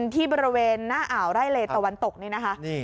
ที่บริเวณหน้าอาวไล่เลตะวันตกนี้